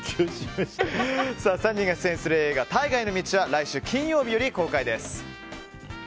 ３人が出演する映画「大河への道」は来週金曜日より公開です。